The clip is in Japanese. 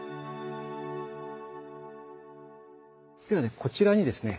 ではこちらにですね